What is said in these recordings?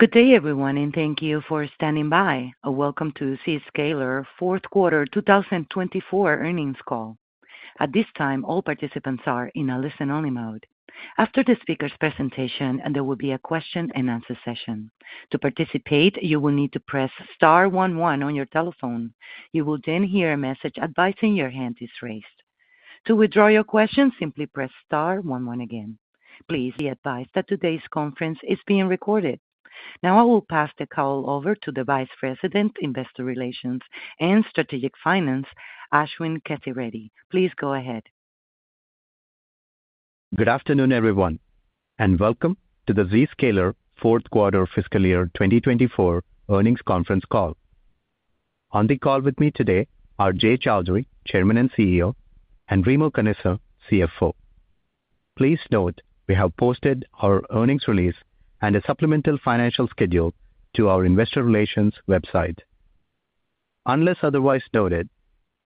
Good day, everyone, and thank you for standing by. Welcome to Zscaler Fourth Quarter 2024 Earnings Call. At this time, all participants are in a listen-only mode. After the speaker's presentation, there will be a question-and-answer session. To participate, you will need to press star one one on your telephone. You will then hear a message advising your hand is raised. To withdraw your question, simply press star one one again. Please be advised that today's conference is being recorded. Now I will pass the call over to the Vice President, Investor Relations and Strategic Finance, Ashwin Kesireddy. Please go ahead. Good afternoon, everyone, and welcome to the Zscaler Fourth Quarter Fiscal Year 2024 Earnings Conference Call. On the call with me today are Jay Chaudhry, Chairman and CEO, and Remo Canessa, CFO. Please note, we have posted our earnings release and a supplemental financial schedule to our investor relations website. Unless otherwise noted,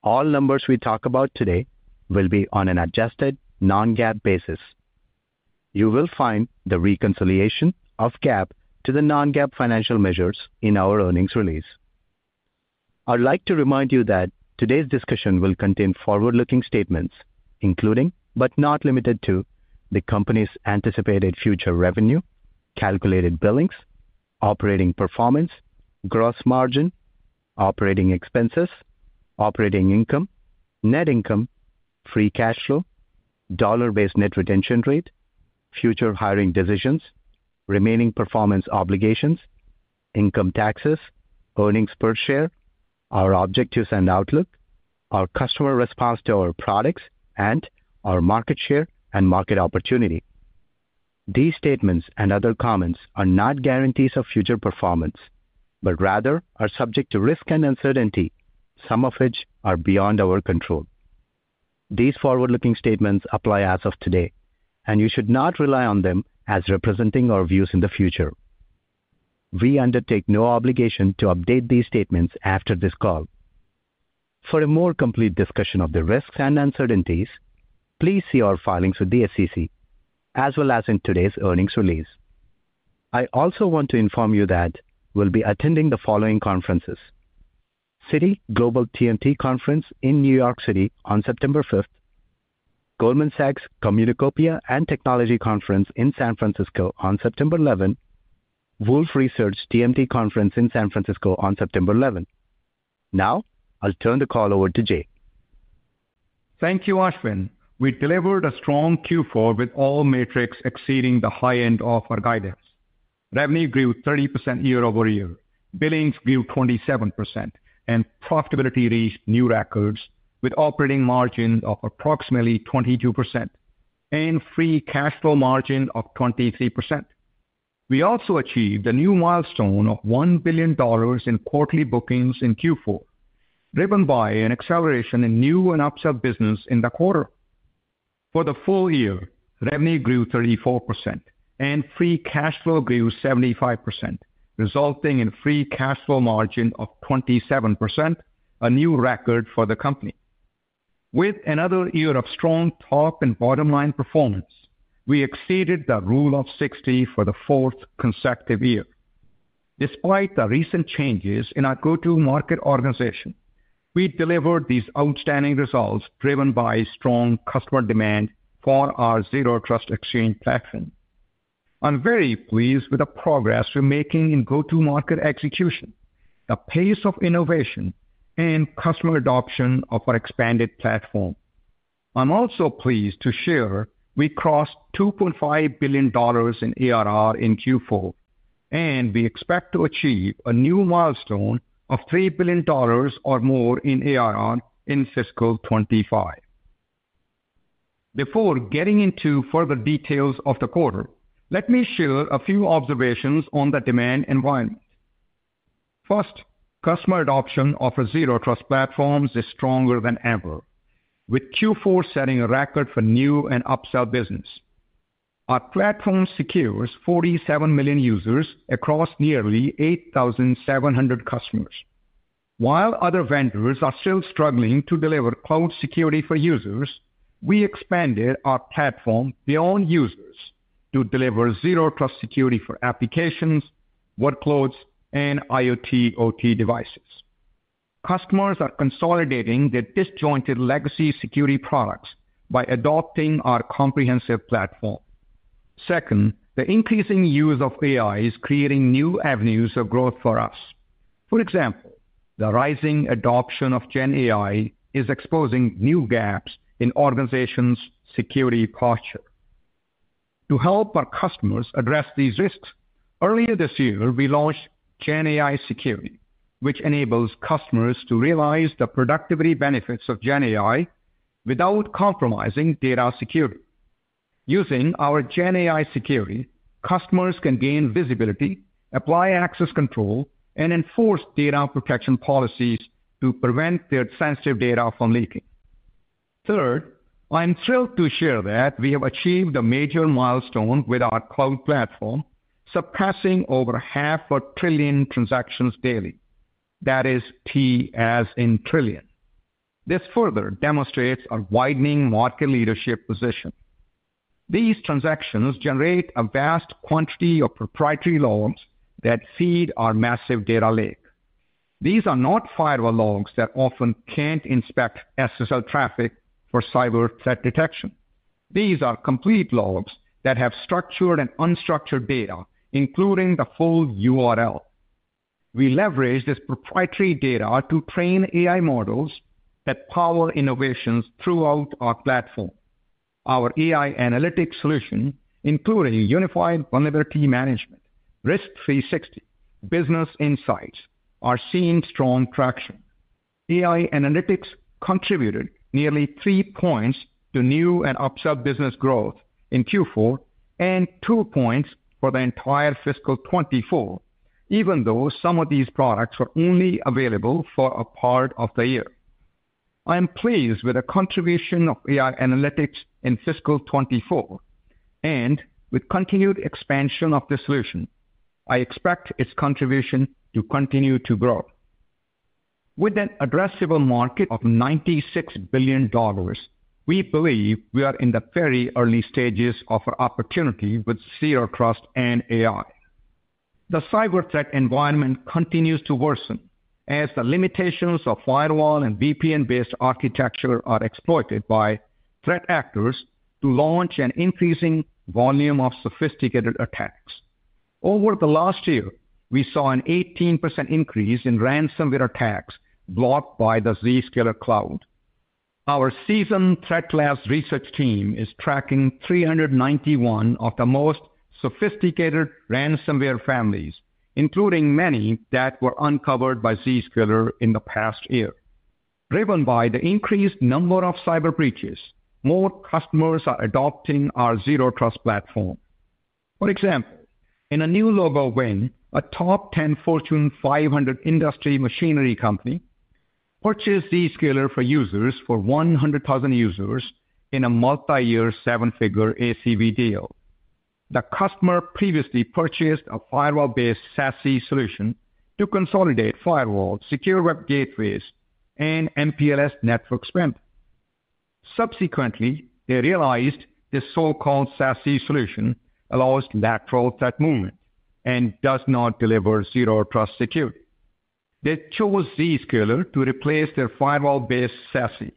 all numbers we talk about today will be on an adjusted non-GAAP basis. You will find the reconciliation of GAAP to the non-GAAP financial measures in our earnings release. I'd like to remind you that today's discussion will contain forward-looking statements, including, but not limited to, the company's anticipated future revenue, calculated billings, operating performance, gross margin, operating expenses, operating income, net income, free cash flow, dollar-based net retention rate, future hiring decisions, remaining performance obligations, income taxes, earnings per share, our objectives and outlook, our customer response to our products, and our market share and market opportunity. These statements and other comments are not guarantees of future performance, but rather are subject to risk and uncertainty, some of which are beyond our control. These forward-looking statements apply as of today, and you should not rely on them as representing our views in the future. We undertake no obligation to update these statements after this call. For a more complete discussion of the risks and uncertainties, please see our filings with the SEC, as well as in today's earnings release. I also want to inform you that we'll be attending the following conferences: Citi Global TMT Conference in New York City on September 5th, Goldman Sachs Communacopia and Technology Conference in San Francisco on September eleventh, Wolfe Research TMT Conference in San Francisco on September eleventh. Now, I'll turn the call over to Jay. Thank you, Ashwin. We delivered a strong Q4 with all metrics exceeding the high end of our guidance. Revenue grew 30% year over year, billings grew 27%, and profitability reached new records, with operating margin of approximately 22% and free cash flow margin of 23%. We also achieved a new milestone of $1 billion in quarterly bookings in Q4, driven by an acceleration in new and upsell business in the quarter. For the full year, revenue grew 34% and free cash flow grew 75%, resulting in free cash flow margin of 27%, a new record for the company. With another year of strong top and bottom line performance, we exceeded the Rule of 60 for the fourth consecutive year. Despite the recent changes in our go-to-market organization, we delivered these outstanding results, driven by strong customer demand for our Zero Trust Exchange platform. I'm very pleased with the progress we're making in go-to-market execution, the pace of innovation, and customer adoption of our expanded platform. I'm also pleased to share we crossed $2.5 billion in ARR in Q4, and we expect to achieve a new milestone of $3 billion or more in ARR in Fiscal 2025. Before getting into further details of the quarter, let me share a few observations on the demand environment. First, customer adoption of our Zero Trust platforms is stronger than ever, with Q4 setting a record for new and upsell business. Our platform secures 47 million users across nearly 8,700 customers. While other vendors are still struggling to deliver cloud security for users, we expanded our platform beyond users to deliver Zero Trust security for applications, workloads, and IoT/OT devices. Customers are consolidating their disjointed legacy security products by adopting our comprehensive platform. Second, the increasing use of AI is creating new avenues of growth for us. For example, the rising adoption of GenAI is exposing new gaps in organizations' security posture. To help our customers address these risks, earlier this year, we launched GenAI Security, which enables customers to realize the productivity benefits of GenAI without compromising data security. Using our GenAI Security, customers can gain visibility, apply access control, and enforce data protection policies to prevent their sensitive data from leaking. Third, I'm thrilled to share that we have achieved a major milestone with our cloud platform, surpassing over half a trillion transactions daily. That is T, as in trillion. This further demonstrates our widening market leadership position. These transactions generate a vast quantity of proprietary logs that feed our massive data lake. These are not firewall logs that often can't inspect SSL traffic for cyber threat detection. These are complete logs that have structured and unstructured data, including the whole URL. We leverage this proprietary data to train AI models that power innovations throughout our platform. Our AI analytics solution, including Unified Vulnerability Management, Risk360, Business Insights, are seeing strong traction. AI analytics contributed nearly three points to new and upsell business growth in Q4, and two points for the entire Fiscal 2024, even though some of these products were only available for a part of the year. I am pleased with the contribution of AI Analytics in Fiscal 2024, and with continued expansion of the solution, I expect its contribution to continue to grow. With an addressable market of $96 billion, we believe we are in the very early stages of our opportunity with Zero Trust and AI. The cyber threat environment continues to worsen as the limitations of firewall and VPN-based architecture are exploited by threat actors to launch an increasing volume of sophisticated attacks. Over the last year, we saw an 18% increase in ransomware attacks blocked by the Zscaler cloud. Our seasoned ThreatLabz research team is tracking 391 of the most sophisticated ransomware families, including many that were uncovered by Zscaler in the past year. Driven by the increased number of cyber breaches, more customers are adopting our Zero Trust platform. For example, in a new logo win, a top ten Fortune 500 industrial machinery company purchased Zscaler for Users for 100,000 users in a multi-year, seven-figure ACV deal. The customer previously purchased a firewall-based SASE solution to consolidate firewalls, secure web gateways, and MPLS network spend. Subsequently, they realized this so-called SASE solution allows lateral threat movement and does not deliver zero trust security. They chose Zscaler to replace their firewall-based SASE.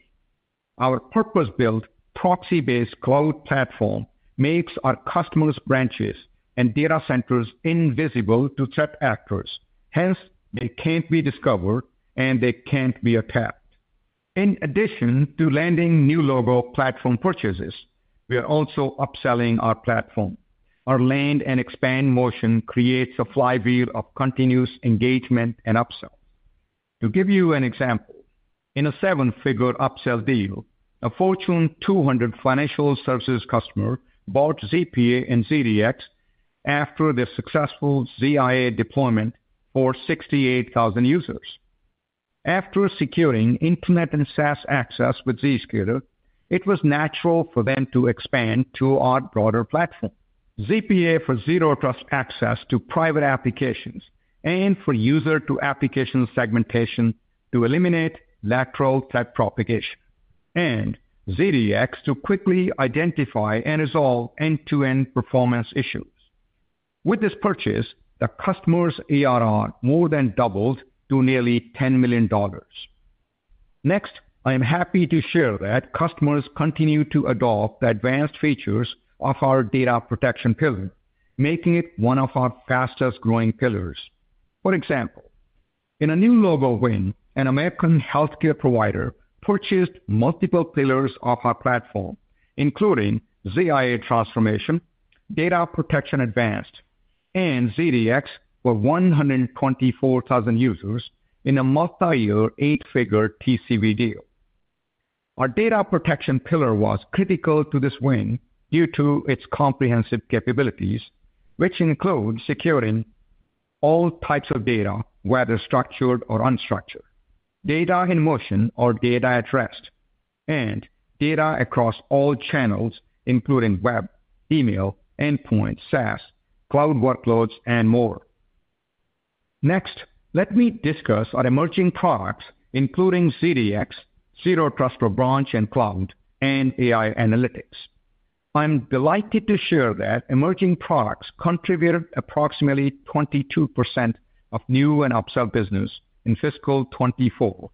Our purpose-built, proxy-based cloud platform makes our customers' branches and data centers invisible to threat actors, hence, they can't be discovered, and they can't be attacked. In addition to landing new logo platform purchases, we are also upselling our platform. Our land and expand motion creates a flywheel of continuous engagement and upsell. To give you an example, in a seven-figure upsell deal, a Fortune 200 financial services customer bought ZPA and ZDX after their successful ZIA deployment for 68,000 users. After securing internet and SaaS access with Zscaler, it was natural for them to expand to our broader platform, ZPA, for Zero Trust access to private applications and for user-to-application segmentation to eliminate lateral threat propagation, and ZDX to quickly identify and resolve end-to-end performance issues. With this purchase, the customer's ARR more than doubled to nearly $10 million. Next, I am happy to share that customers continue to adopt the advanced features of our data protection pillar, making it one of our fastest-growing pillars. For example, in a new logo win, an American healthcare provider purchased multiple pillars of our platform, including ZIA Transformation, Data Protection Advanced, and ZDX for 124,000 users in a multi-year, eight-figure TCV deal. Our data protection pillar was critical to this win due to its comprehensive capabilities, which include securing all types of data, whether structured or unstructured, data in motion or data at rest, and data across all channels, including web, email, endpoint, SaaS, cloud workloads, and more. Next, let me discuss our emerging products, including ZDX, Zero Trust for Branch and Cloud, and AI analytics. I'm delighted to share that emerging products contributed approximately 22% of new and upsell business in Fiscal 2024,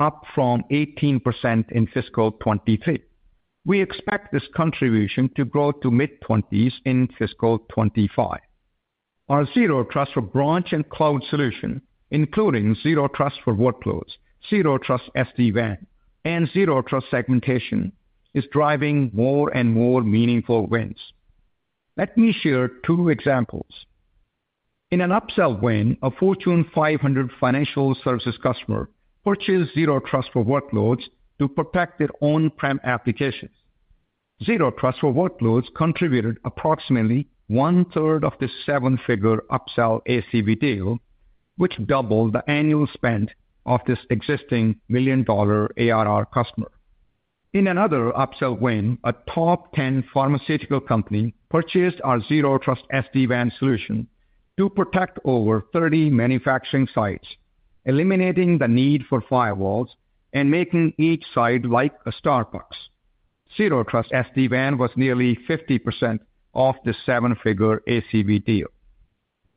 up from 18% in Fiscal 2023. We expect this contribution to grow to mid-20s% in Fiscal 2025. Our Zero Trust for Branch and Cloud solution, including Zero Trust for Workloads, Zero Trust SD-WAN, and Zero Trust Segmentation, is driving more and more meaningful wins. Let me share two examples: In an upsell win, a Fortune 500 financial services customer purchased Zero Trust for Workloads to protect their on-prem applications. Zero Trust for Workloads contributed approximately one-third of the seven-figure upsell ACV deal, which doubled the annual spend of this existing million-dollar ARR customer. In another upsell win, a top 10 pharmaceutical company purchased our Zero Trust SD-WAN solution to protect over 30 manufacturing sites, eliminating the need for firewalls and making each site like a Starbucks. Zero Trust SD-WAN was nearly 50% of the seven-figure ACV deal.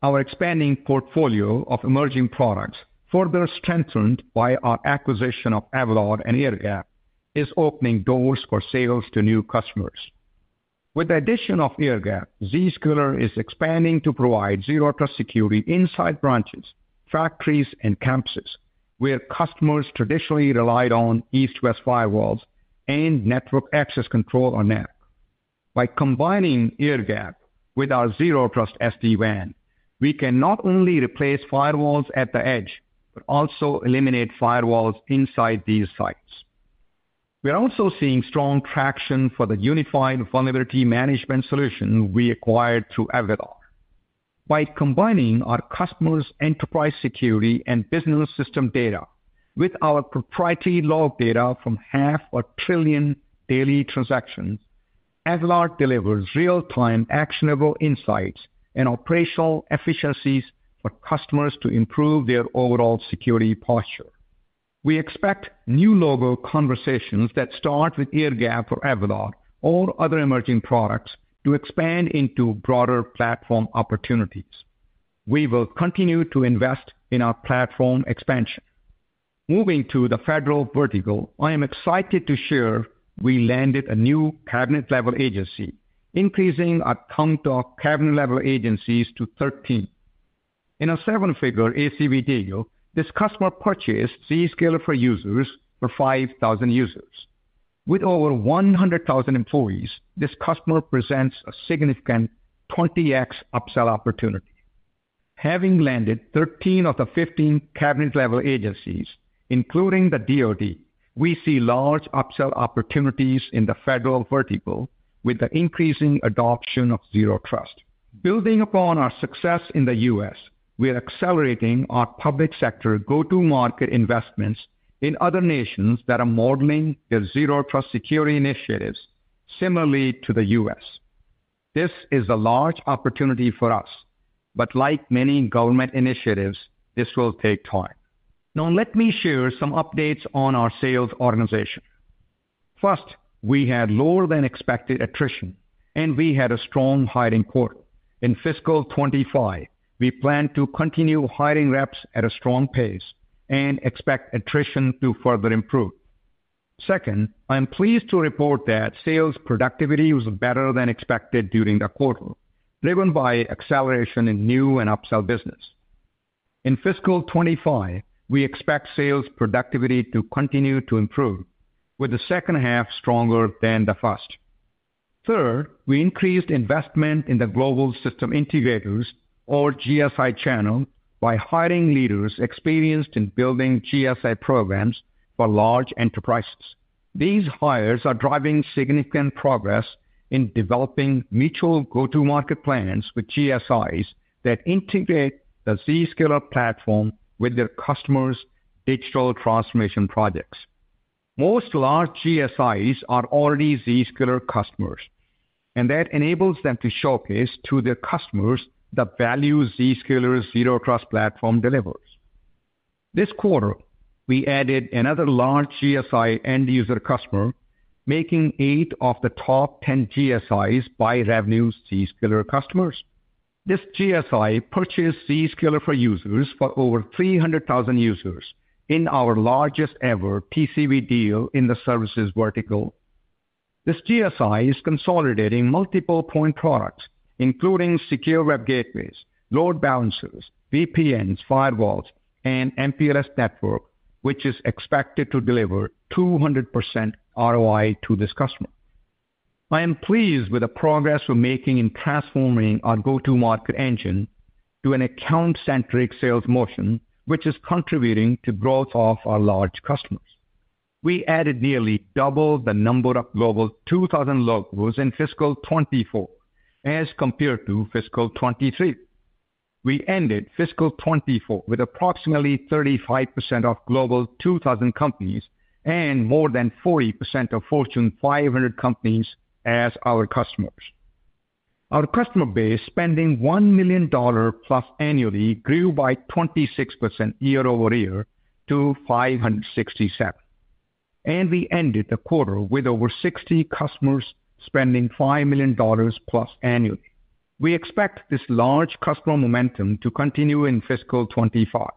Our expanding portfolio of emerging products, further strengthened by our acquisition of Avalor and Airgap, is opening doors for sales to new customers. With the addition of Airgap, Zscaler is expanding to provide Zero Trust security inside branches, factories, and campuses, where customers traditionally relied on east-west firewalls and network access control, or NAC. By combining Airgap with our Zero Trust SD-WAN, we can not only replace firewalls at the edge, but also eliminate firewalls inside these sites. We are also seeing strong traction for the Unified Vulnerability Management solution we acquired through Avalor. By combining our customers' enterprise security and business system data with our proprietary log data from 500 billion daily transactions, Avalor delivers real-time, actionable insights and operational efficiencies for customers to improve their overall security posture. We expect new logo conversations that start with Airgap or Avalor or other emerging products to expand into broader platform opportunities. We will continue to invest in our platform expansion. Moving to the federal vertical, I am excited to share we landed a new cabinet-level agency, increasing our count of cabinet-level agencies to 13. In a seven-figure ACV deal, this customer purchased Zscaler for Users for 5,000 users. With over 100,000 employees, this customer presents a significant 20x upsell opportunity. Having landed 13 of the 15 cabinet-level agencies, including the DoD, we see large upsell opportunities in the federal vertical with the increasing adoption of Zero Trust. Building upon our success in the U.S., we are accelerating our public sector go-to-market investments in other nations that are modeling their Zero Trust security initiatives similarly to the U.S. This is a large opportunity for us, but like many government initiatives, this will take time. Now, let me share some updates on our sales organization. First, we had lower-than-expected attrition, and we had a strong hiring quarter. In Fiscal 2025, we plan to continue hiring reps at a strong pace and expect attrition to further improve. Second, I am pleased to report that sales productivity was better than expected during the quarter, driven by acceleration in new and upsell business. In Fiscal 2025, we expect sales productivity to continue to improve, with the second half stronger than the first. Third, we increased investment in the Global System Integrators, or GSI channel, by hiring leaders experienced in building GSI programs for large enterprises. These hires are driving significant progress in developing mutual go-to-market plans with GSIs that integrate the Zscaler platform with their customers' digital transformation projects. Most large GSIs are already Zscaler customers, and that enables them to showcase to their customers the value Zscaler's Zero Trust platform delivers. This quarter, we added another large GSI end user customer, making eight of the top 10 GSIs by revenue Zscaler customers. This GSI purchased Zscaler for Users for over 300,000 users in our largest-ever TCV deal in the services vertical. This GSI is consolidating multiple point products, including secure web gateways, load balancers, VPNs, firewalls, and MPLS network, which is expected to deliver 200% ROI to this customer. I am pleased with the progress we're making in transforming our go-to-market engine to an account-centric sales motion, which is contributing to growth of our large customers. We added nearly double the number of Global 2000 logos in Fiscal 2024 as compared to Fiscal 2023. We ended Fiscal 2024 with approximately 35% of Global 2000 companies and more than 40% of Fortune 500 companies as our customers. Our customer base, spending $1 million dollars plus annually, grew by 26% year over year to 567, and we ended the quarter with over 60 customers spending $5 million dollars plus annually. We expect this large customer momentum to continue in Fiscal 2025.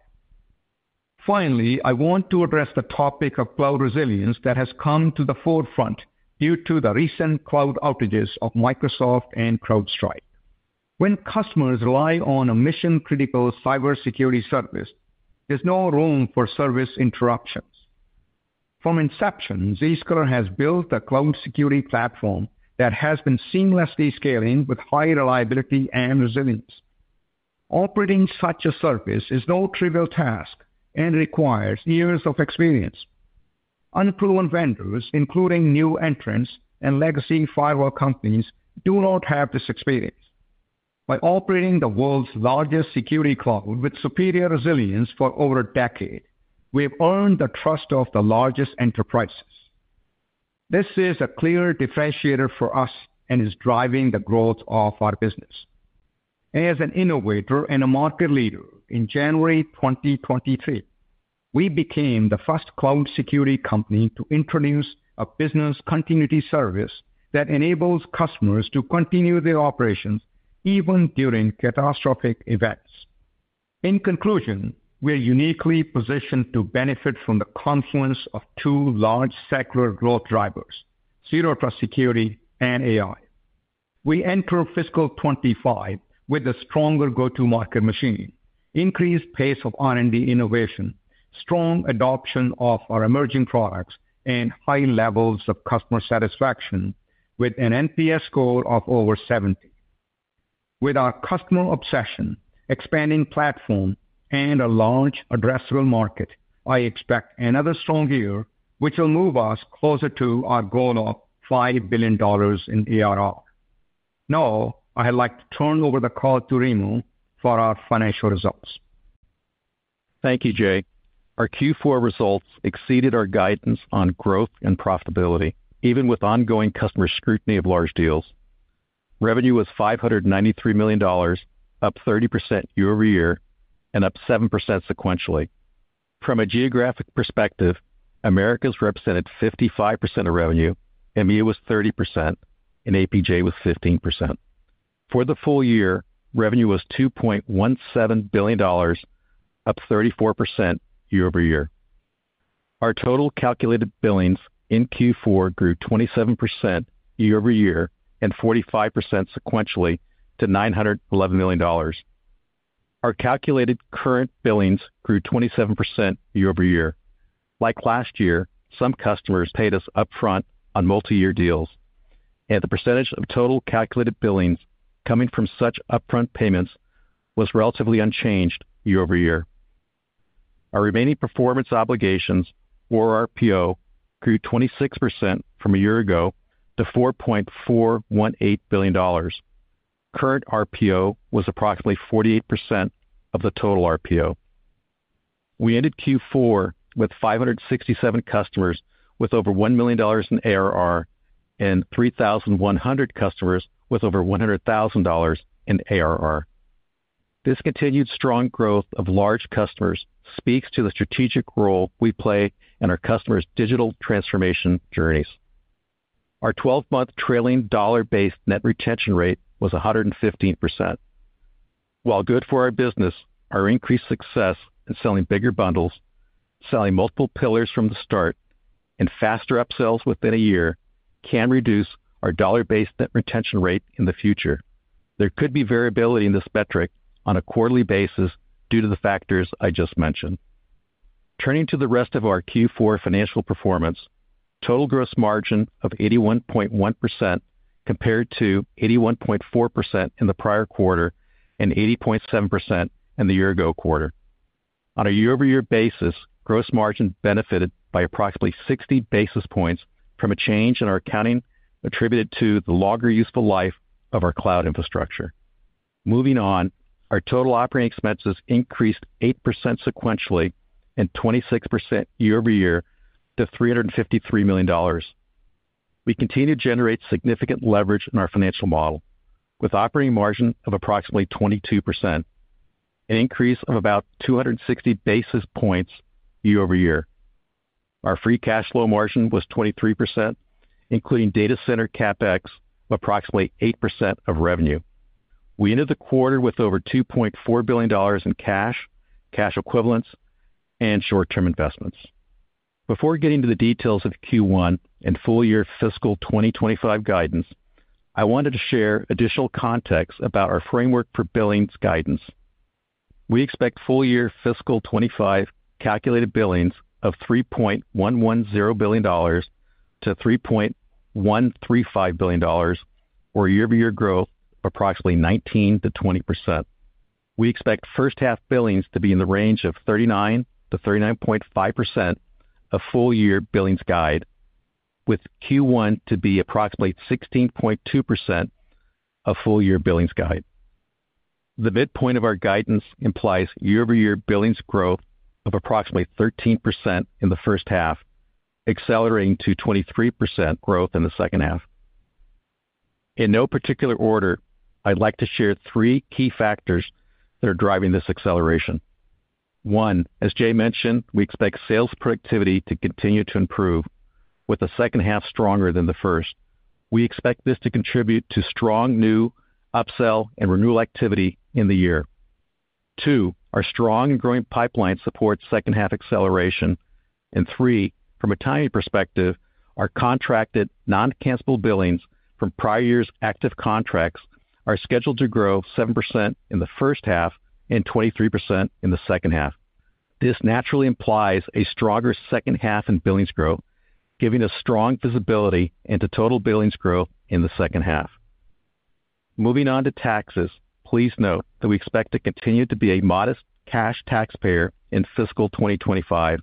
Finally, I want to address the topic of cloud resilience that has come to the forefront due to the recent cloud outages of Microsoft and CrowdStrike. When customers rely on a mission-critical cybersecurity service, there's no room for service interruptions. From inception, Zscaler has built a cloud security platform that has been seamlessly scaling with high reliability and resilience. Operating such a service is no trivial task and requires years of experience. Unproven vendors, including new entrants and legacy firewall companies, do not have this experience. By operating the world's largest security cloud with superior resilience for over a decade, we have earned the trust of the largest enterprises. This is a clear differentiator for us and is driving the growth of our business. As an innovator and a market leader, in January 2023, we became the first cloud security company to introduce a business continuity service that enables customers to continue their operations even during catastrophic events. In conclusion, we are uniquely positioned to benefit from the confluence of two large secular growth drivers: Zero Trust security and AI. We enter Fiscal 2025 with a stronger go-to-market machine, increased pace of R&D innovation, strong adoption of our emerging products, and high levels of customer satisfaction, with an NPS score of over 70. With our customer obsession, expanding platform, and a large addressable market, I expect another strong year, which will move us closer to our goal of $5 billion in ARR. Now, I'd like to turn over the call to Remo for our financial results. Thank you, Jay. Our Q4 results exceeded our guidance on growth and profitability, even with ongoing customer scrutiny of large deals. Revenue was $593 million, up 30% year over year, and up 7% sequentially. From a geographic perspective, Americas represented 55% of revenue, EMEA was 30%, and APJ was 15%. For the full year, revenue was $2.17 billion, up 34% year over year. Our total calculated billings in Q4 grew 27% year over year, and 45% sequentially to $911 million. Our calculated current billings grew 27% year over year. Like last year, some customers paid us upfront on multiyear deals, and the percentage of total calculated billings coming from such upfront payments was relatively unchanged year over year. Our remaining performance obligations, or RPO, grew 26% from a year ago to $4.418 billion. Current RPO was approximately 48% of the total RPO. We ended Q4 with 567 customers, with over $1 million in ARR and 3,100 customers with over $100,000 in ARR. This continued strong growth of large customers speaks to the strategic role we play in our customers' digital transformation journeys. Our twelve-month trailing dollar-based net retention rate was 115%. While good for our business, our increased success in selling bigger bundles, selling multiple pillars from the start, and faster upsells within a year can reduce our dollar-based net retention rate in the future. There could be variability in this metric on a quarterly basis due to the factors I just mentioned. Turning to the rest of our Q4 financial performance, total gross margin of 81.1% compared to 81.4% in the prior quarter and 80.7% in the year-ago quarter. On a year-over-year basis, gross margin benefited by approximately 60 basis points from a change in our accounting, attributed to the longer useful life of our cloud infrastructure. Moving on, our total operating expenses increased 8% sequentially and 26% year over year to $353 million. We continue to generate significant leverage in our financial model, with operating margin of approximately 22%, an increase of about 260 basis points year over year. Our free cash flow margin was 23%, including data center CapEx, approximately 8% of revenue. We ended the quarter with over $2.4 billion in cash, cash equivalents, and short-term investments. Before getting to the details of Q1 and full-year Fiscal 2025 guidance, I wanted to share additional context about our framework for billings guidance. We expect full-year Fiscal 2025 calculated billings of $3.110 billion-$3.135 billion, or year-over-year growth of approximately 19%-20%. We expect first half billings to be in the range of 39%-39.5% of full-year billings guide, with Q1 to be approximately 16.2% of full-year billings guide. The midpoint of our guidance implies year-over-year billings growth of approximately 13% in the first half, accelerating to 23% growth in the second half. In no particular order, I'd like to share three key factors that are driving this acceleration. One, as Jay mentioned, we expect sales productivity to continue to improve, with the second half stronger than the first. We expect this to contribute to strong new upsell and renewal activity in the year. Two, our strong and growing pipeline supports second half acceleration. And three, from a timing perspective, our contracted, non-cancelable billings from prior years' active contracts are scheduled to grow 7% in the first half and 23% in the second half. This naturally implies a stronger second half in billings growth, giving us strong visibility into total billings growth in the second half. Moving on to taxes. Please note that we expect to continue to be a modest cash taxpayer in Fiscal 2025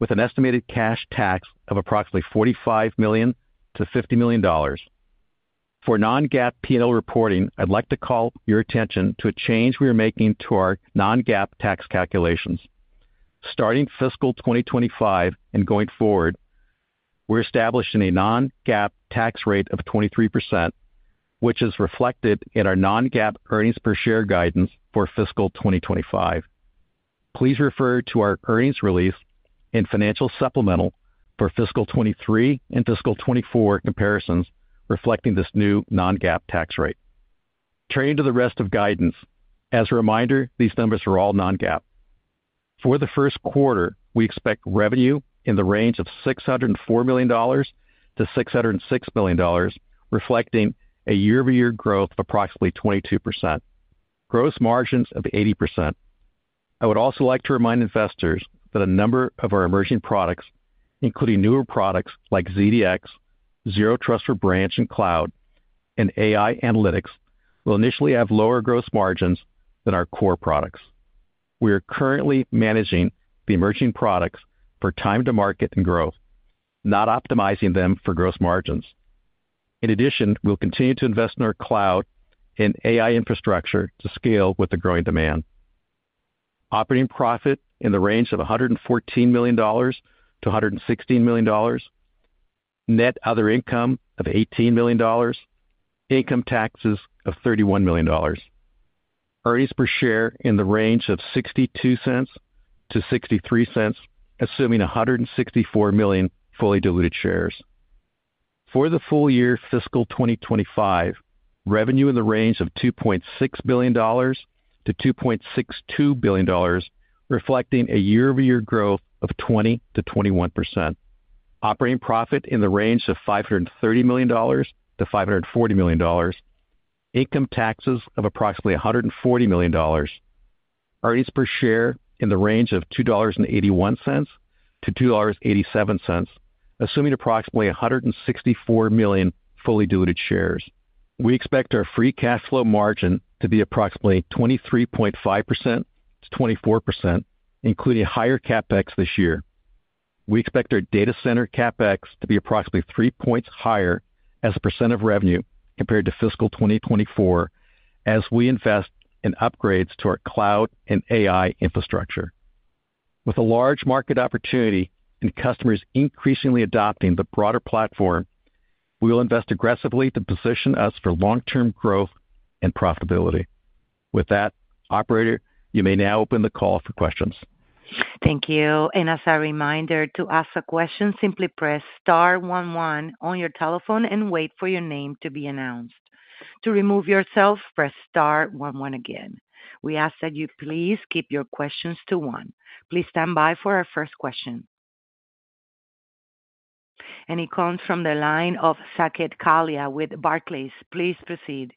with an estimated cash tax of approximately $45 million-$50 million. For non-GAAP P&L reporting, I'd like to call your attention to a change we are making to our non-GAAP tax calculations. Starting Fiscal 2025 and going forward, we're establishing a non-GAAP tax rate of 23%, which is reflected in our non-GAAP earnings per share guidance for Fiscal 2025. Please refer to our earnings release and financial supplemental for Fiscal 2023 and Fiscal 2024 comparisons, reflecting this new non-GAAP tax rate. Turning to the rest of guidance, as a reminder, these numbers are all non-GAAP. For the first quarter, we expect revenue in the range of $604 million-$606 million, reflecting a year-over-year growth of approximately 22%. Gross margins of 80%. I would also like to remind investors that a number of our emerging products, including newer products like ZDX, Zero Trust for Branch and Cloud, and AI analytics, will initially have lower gross margins than our core products. We are currently managing the emerging products for time to market and growth, not optimizing them for gross margins. In addition, we'll continue to invest in our cloud and AI infrastructure to scale with the growing demand. Operating profit in the range of $114 million-$116 million. Net other income of $18 million. Income taxes of $31 million. Earnings per share in the range of $0.62-$0.63, assuming 164 million fully diluted shares. For the full year Fiscal 2025, revenue in the range of $2.6 billion-$2.62 billion, reflecting a year-over-year growth of 20%-21%. Operating profit in the range of $530 million-$540 million. Income taxes of approximately $140 million. Earnings per share in the range of $2.81-$2.87, assuming approximately 164 million fully diluted shares. We expect our free cash flow margin to be approximately 23.5%-24%, including higher CapEx this year. We expect our data center CapEx to be approximately three points higher as a percent of revenue compared to Fiscal 2024, as we invest in upgrades to our cloud and AI infrastructure. With a large market opportunity and customers increasingly adopting the broader platform, we will invest aggressively to position us for long-term growth and profitability. With that, operator, you may now open the call for questions. Thank you. And as a reminder, to ask a question, simply press star one one on your telephone and wait for your name to be announced. To remove yourself, press star one one again. We ask that you please keep your questions to one. Please stand by for our first question. And it comes from the line of Saket Kalia with Barclays. Please proceed.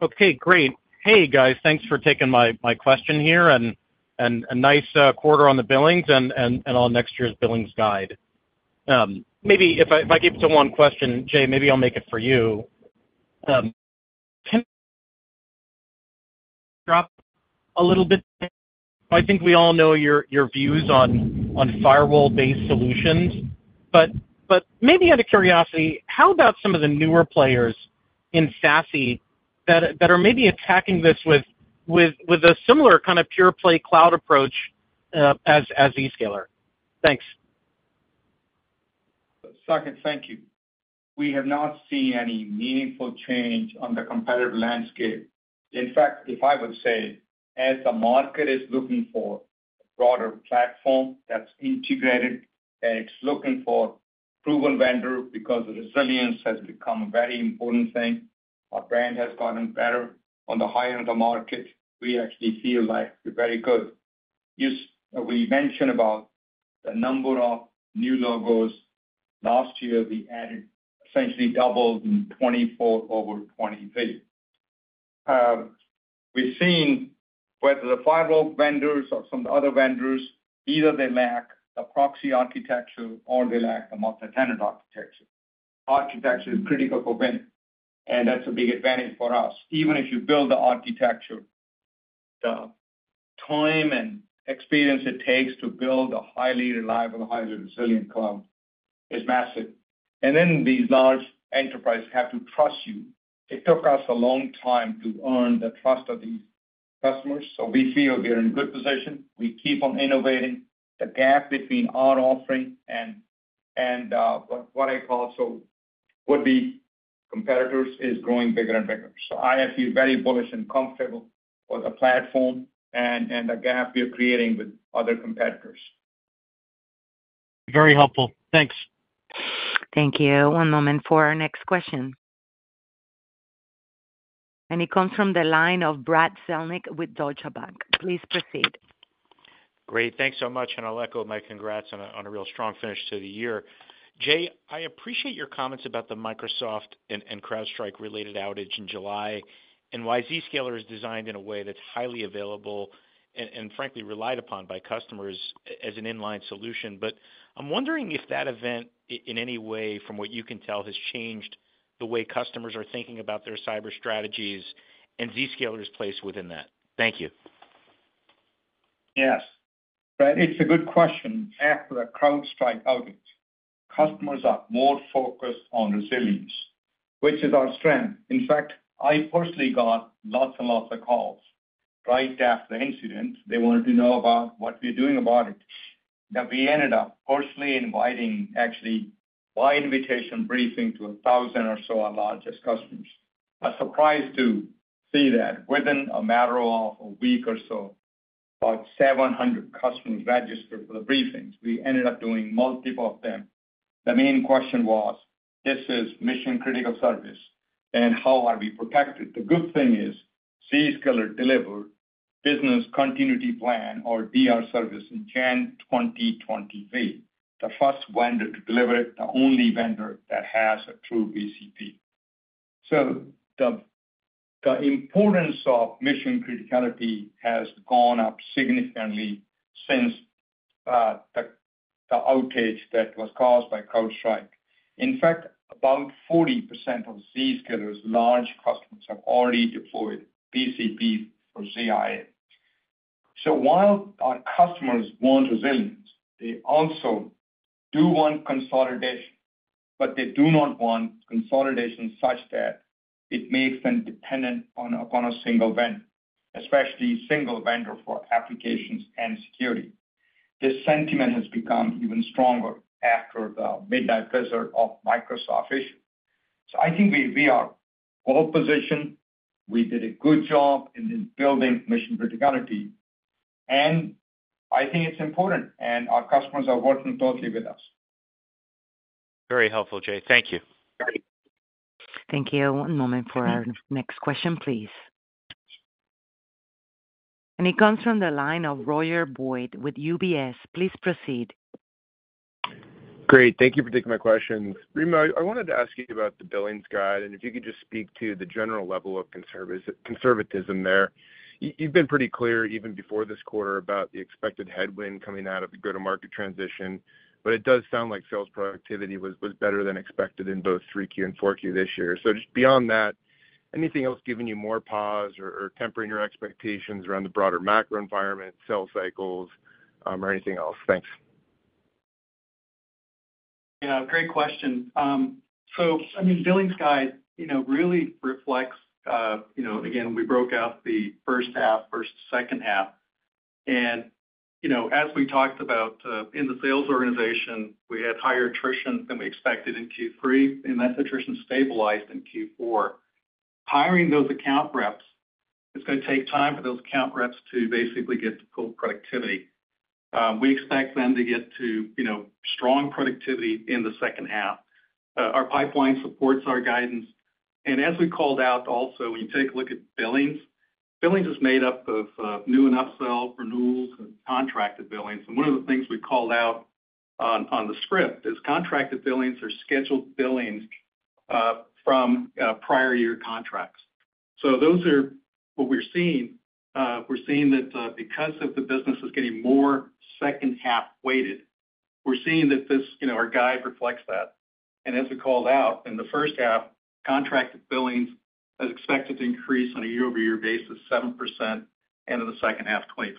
Okay, great. Hey, guys, thanks for taking my question here, and a nice quarter on the billings and on next year's billings guide. Maybe if I keep it to one question, Jay, maybe I'll make it for you. Can you drop a little bit? I think we all know your views on firewall-based solutions, but maybe out of curiosity, how about some of the newer players in SASE that are maybe attacking this with a similar kind of pure play cloud approach as Zscaler? Thanks. Saket, thank you. We have not seen any meaningful change on the competitive landscape. In fact, if I would say, as the market is looking for a broader platform that's integrated, and it's looking for proven vendor, because resilience has become a very important thing, our brand has gotten better. On the high end of the market, we actually feel like we're very good. Yes, we mentioned about the number of new logos. Last year, we added essentially doubled in 2024 over 2023. We've seen whether the firewall vendors or some of the other vendors, either they lack the proxy architecture or they lack a multitenant architecture. Architecture is critical for vendor, and that's a big advantage for us. Even if you build the architecture, the time and experience it takes to build a highly reliable, highly resilient cloud is massive. And then these large enterprises have to trust you. It took us a long time to earn the trust of these customers, so we feel we're in good position. We keep on innovating. The gap between our offering and what I call so-called would-be competitors is growing bigger and bigger. So I feel very bullish and comfortable with the platform and the gap we are creating with other competitors. Very helpful. Thanks. Thank you. One moment for our next question, and it comes from the line of Brad Zelnick with Deutsche Bank. Please proceed. Great. Thanks so much, and I'll echo my congrats on a real strong finish to the year. Jay, I appreciate your comments about the Microsoft and CrowdStrike related outage in July, and why Zscaler is designed in a way that's highly available and frankly, relied upon by customers as an inline solution. But I'm wondering if that event in any way, from what you can tell, has changed-... the way customers are thinking about their cyber strategies and Zscaler's place within that? Thank you. Yes, Brad, it's a good question. After the CrowdStrike outage, customers are more focused on resilience, which is our strength. In fact, I personally got lots and lots of calls right after the incident. They wanted to know about what we're doing about it, that we ended up personally inviting, actually, by invitation briefing to a thousand or so of our largest customers. I was surprised to see that within a matter of a week or so, about seven hundred customers registered for the briefings. We ended up doing multiple of them. The main question was, this is mission-critical service, and how are we protected? The good thing is, Zscaler delivered business continuity plan or DR service in January 2023, the first vendor to deliver it, the only vendor that has a true BCP. So the importance of mission criticality has gone up significantly since the outage that was caused by CrowdStrike. In fact, about 40% of Zscaler's large customers have already deployed BCP for ZIA. So while our customers want resilience, they also do want consolidation, but they do not want consolidation such that it makes them dependent upon a single vendor, especially single vendor for applications and security. This sentiment has become even stronger after the Midnight Blizzard of Microsoft issue. So I think we are well-positioned. We did a good job in building mission criticality, and I think it's important, and our customers are working closely with us. Very helpful, Jay. Thank you. Great. Thank you. One moment for our next question, please, and it comes from the line of Roger Boyd with UBS. Please proceed. Great, thank you for taking my question. Remo, I wanted to ask you about the billings guide, and if you could just speak to the general level of conservatism there. You, you've been pretty clear, even before this quarter, about the expected headwind coming out of the go-to-market transition, but it does sound like sales productivity was better than expected in both 3Q and 4Q this year. So just beyond that, anything else giving you more pause or tempering your expectations around the broader macro environment, sales cycles, or anything else? Thanks. Yeah, great question. So, I mean, billings guide, you know, really reflects, you know, again, we broke out the first half, second half. And, you know, as we talked about, in the sales organization, we had higher attrition than we expected in Q3, and that attrition stabilized in Q4. Hiring those account reps, it's gonna take time for those account reps to basically get to full productivity. We expect them to get to, you know, strong productivity in the second half. Our pipeline supports our guidance, and as we called out also, when you take a look at billings, billings is made up of new and upsell, renewals, and contracted billings. And one of the things we called out on the script is contracted billings are scheduled billings from prior year contracts. So those are what we're seeing. We're seeing that, because the business is getting more second half weighted, we're seeing that this, you know, our guide reflects that. And as we called out in the first half, contracted billings is expected to increase on a year-over-year basis, 7%, and in the second half, 23%.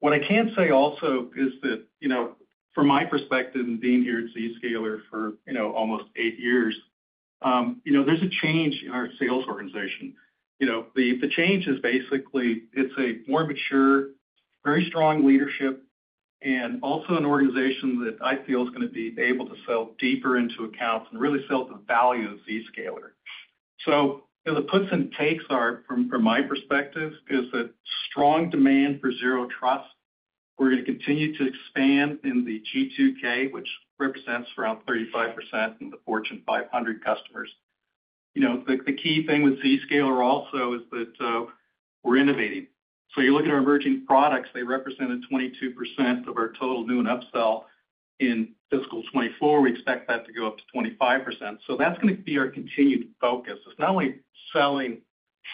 What I can say also is that, you know, from my perspective and being here at Zscaler for, you know, almost eight years, you know, there's a change in our sales organization. You know, the change is basically, it's a more mature, very strong leadership, and also an organization that I feel is gonna be able to sell deeper into accounts and really sell the value of Zscaler. So, you know, the puts and takes are, from my perspective, is that strong demand for Zero Trust. We're gonna continue to expand in the G2K, which represents around 35% in the Fortune 500 customers. You know, the key thing with Zscaler also is that we're innovating. So you look at our emerging products, they represented 22% of our total new and upsell. In Fiscal 2024, we expect that to go up to 25%. So that's gonna be our continued focus. It's not only selling,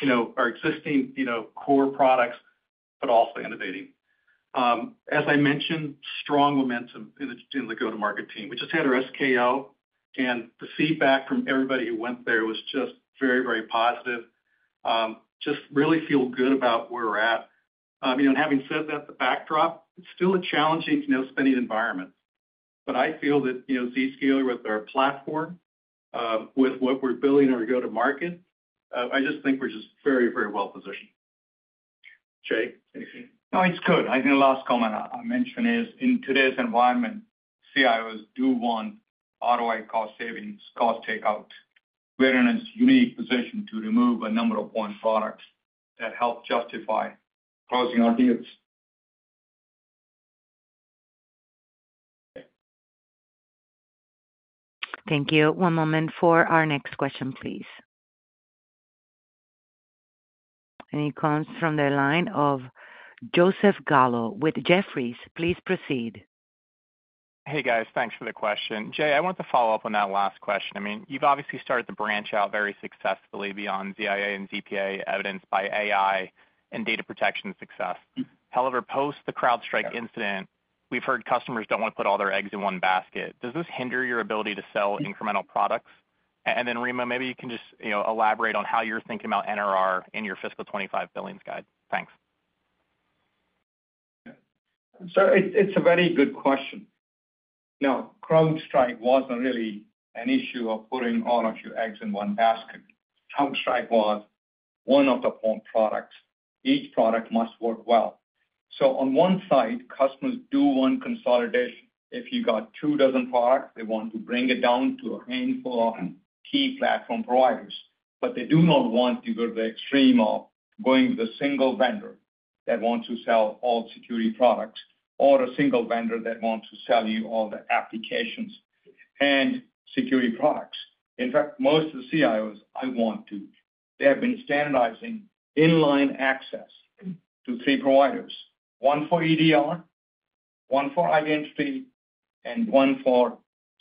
you know, our existing, you know, core products, but also innovating. As I mentioned, strong momentum in the go-to-market team. We just had our SKO, and the feedback from everybody who went there was just very, very positive. Just really feel good about where we're at. You know, and having said that, the backdrop, it's still a challenging, you know, spending environment. But I feel that, you know, Zscaler, with our platform, with what we're building our go-to-market, I just think we're just very, very well positioned. Jay, anything? No, it's good. I think the last comment I mentioned is, in today's environment, CIOs do want ROI cost savings, cost takeout. We're in a unique position to remove a number of point products that help justify closing our deals. Thank you. One moment for our next question, please, and it comes from the line of Joseph Gallo with Jefferies. Please proceed. Hey, guys. Thanks for the question. Jay, I want to follow up on that last question. I mean, you've obviously started to branch out very successfully beyond ZIA and ZPA, evidenced by AI and data protection success. However, post the CrowdStrike incident. We've heard customers don't want to put all their eggs in one basket. Does this hinder your ability to sell incremental products? And then, Remo, maybe you can just, you know, elaborate on how you're thinking about NRR in your Fiscal twenty-five billings guide. Thanks. So, it's a very good question. Now, CrowdStrike wasn't really an issue of putting all of your eggs in one basket. CrowdStrike was one of the point products. Each product must work well. So on one side, customers do want consolidation. If you got two dozen products, they want to bring it down to a handful of key platform providers, but they do not want to go to the extreme of going to the single vendor that wants to sell all security products, or a single vendor that wants to sell you all the applications and security products. In fact, most of the CIOs, I want to- they have been standardizing inline access to three providers, one for EDR, one for identity, and one for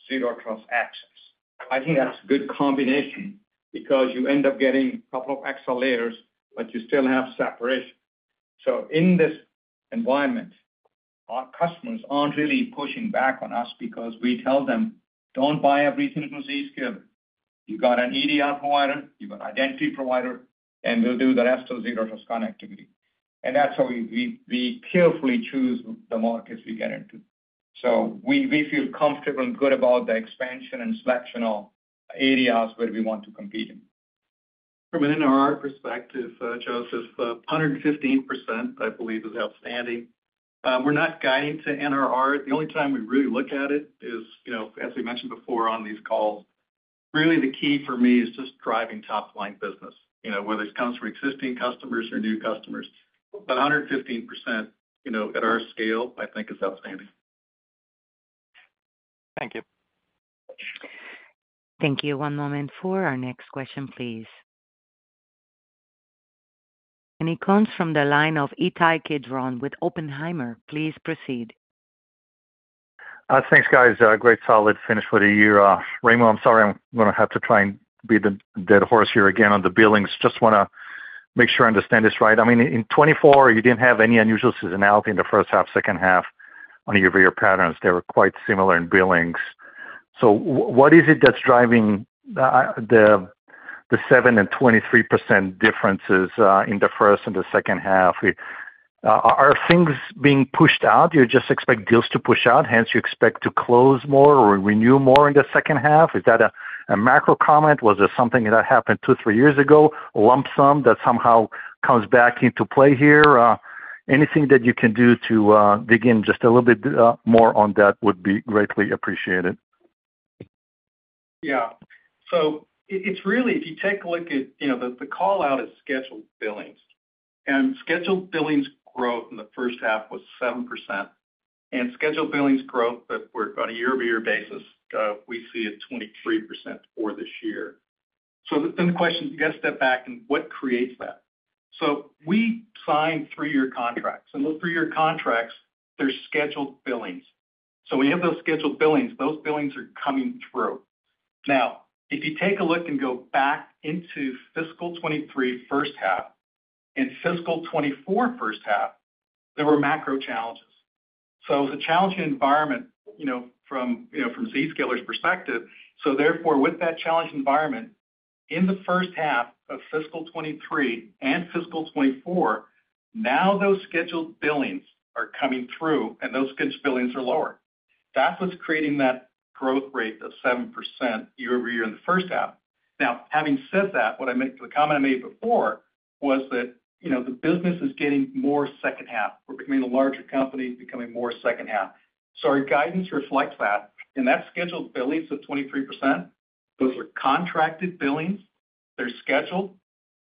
zero trust access. I think that's a good combination because you end up getting a couple of accelerators, but you still have separation. In this environment, our customers aren't really pushing back on us because we tell them, "Don't buy everything from Zscaler. You've got an EDR provider, you've an identity provider, and we'll do the rest of zero trust connectivity." That's how we carefully choose the markets we get into. We feel comfortable and good about the expansion and selection of areas where we want to compete in. From an NRR perspective, Joseph, 115%, I believe, is outstanding. We're not guiding to NRR. The only time we really look at it is, you know, as we mentioned before on these calls, really the key for me is just driving top-line business, you know, whether it comes from existing customers or new customers. But 115%, you know, at our scale, I think is outstanding. Thank you. Thank you. One moment for our next question, please. And it comes from the line of Ittai Kidron with Oppenheimer. Please proceed. Thanks, guys. Great, solid finish for the year. Remo, I'm sorry, I'm gonna have to try and beat the dead horse here again on the billings. Just wanna make sure I understand this right. I mean, in 2024, you didn't have any unusual seasonality in the first half, second half on your year patterns. They were quite similar in billings. So what is it that's driving the 7% and 23% differences in the first and the second half? Are things being pushed out? Do you just expect deals to push out, hence you expect to close more or renew more in the second half? Is that a macro comment? Was there something that happened two, three years ago, a lump sum that somehow comes back into play here? Anything that you can do to dig in just a little bit more on that would be greatly appreciated. Yeah. So it, it's really if you take a look at, you know, the, the call out is scheduled billings, and scheduled billings growth in the first half was 7%, and scheduled billings growth that were on a year-over-year basis, we see a 23% for this year. So then the question, you got to step back and what creates that? So we sign three-year contracts, and those three-year contracts, they're scheduled billings. So we have those scheduled billings, those billings are coming through. Now, if you take a look and go back into Fiscal 2023 first half and Fiscal 2024 first half, there were macro challenges. So it was a challenging environment, you know, from, you know, from Zscaler's perspective. So therefore, with that challenging environment, in the first half of Fiscal 2023 and Fiscal 2024, now those scheduled billings are coming through, and those scheduled billings are lower. That's what's creating that growth rate of 7% year over year in the first half. Now, having said that, what I made the comment I made before was that, you know, the business is getting more second half. We're becoming a larger company, becoming more second half. So our guidance reflects that, and that scheduled billings of 23%, those are contracted billings, they're scheduled,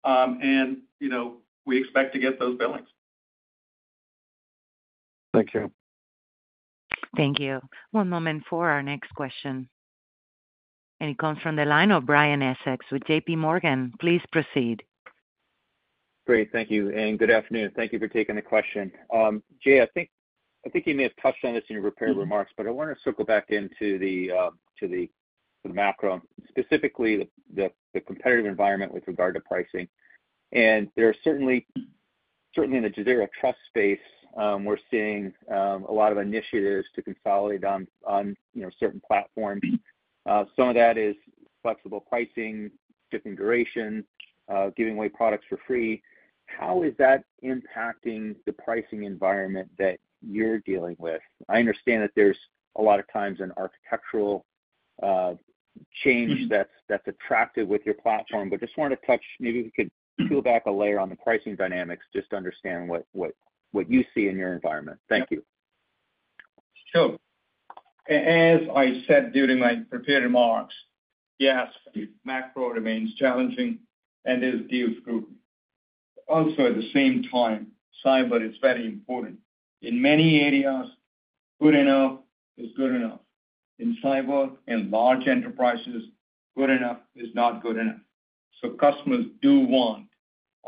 and, you know, we expect to get those billings. Thank you. Thank you. One moment for our next question. And it comes from the line of Brian Essex with JPMorgan. Please proceed. Great. Thank you, and good afternoon. Thank you for taking the question. Jay, I think, I think you may have touched on this in your prepared remarks, but I want to circle back to the macro, specifically the competitive environment with regard to pricing. And there are certainly in the Zero Trust space, we're seeing a lot of initiatives to consolidate on you know certain platforms. Some of that is flexible pricing, different duration, giving away products for free. How is that impacting the pricing environment that you're dealing with? I understand that there's a lot of times an architectural change that's attractive with your platform, but just wanted to touch. Maybe we could peel back a layer on the pricing dynamics, just to understand what you see in your environment. Thank you. Sure. As I said during my prepared remarks, yes, macro remains challenging and there's deals grouping. Also, at the same time, cyber is very important. In many areas, good enough is good enough. In cyber, in large enterprises, good enough is not good enough. So customers do want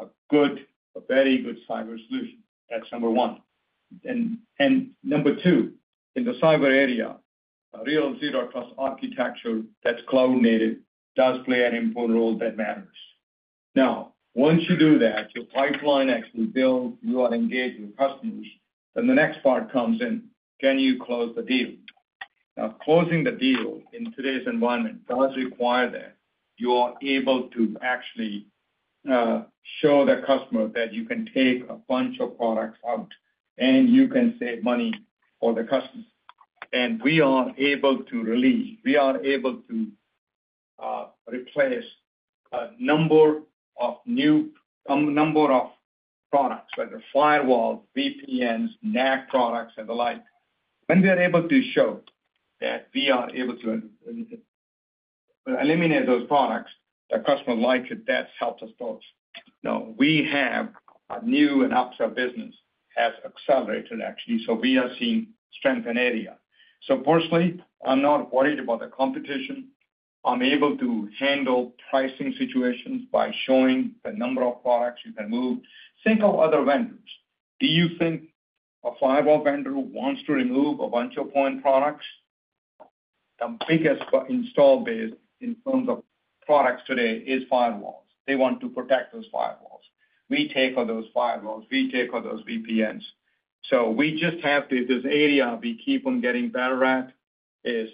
a good, a very good cyber solution. That's number one. And, and number two, in the cyber area, a real Zero Trust architecture that's cloud-native does play an important role that matters.... Now, once you do that, your pipeline actually builds, you are engaged with customers, then the next part comes in: Can you close the deal? Now, closing the deal in today's environment does require that you are able to actually show the customer that you can take a bunch of products out, and you can save money for the customer. And we are able to release, we are able to, replace a number of products, whether firewall, VPNs, NAC products, and the like. When we are able to show that we are able to eliminate those products, the customer likes it, that helps us both. Now, we have a new and upsell business, has accelerated, actually, so we are seeing strength in area. So personally, I'm not worried about the competition. I'm able to handle pricing situations by showing the number of products you can move. Think of other vendors. Do you think a firewall vendor wants to remove a bunch of point products? The biggest install base in terms of products today is firewalls. They want to protect those firewalls. We take on those firewalls, we take on those VPNs. We just have to, this area we keep on getting better at, is